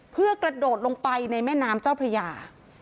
เพื่อกระโดดลงไปในแม่น้ำเจ้าพระยา